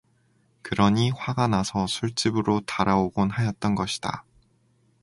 그러니 화가 나서 술집으로 달아오곤 하였던 것이다.